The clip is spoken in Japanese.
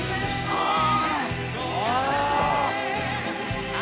ああ！